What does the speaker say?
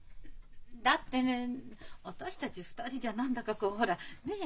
だってね私たち２人じゃ何だかこうほらねえ。